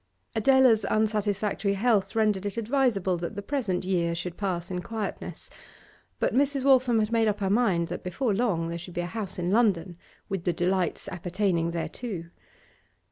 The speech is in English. Adela's unsatisfactory health rendered it advisable that the present year should pass in quietness, but Mrs. Waltham had made up her mind that before long there should be a house in London, with the delights appertaining thereto.